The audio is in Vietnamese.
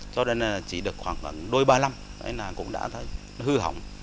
cho nên là chỉ được khoảng đôi ba năm đấy là cũng đã hư hỏng